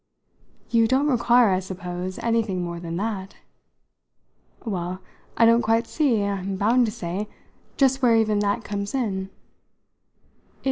"You don't require, I suppose, anything more than that?" "Well, I don't quite see, I'm bound to say, just where even 'that' comes in."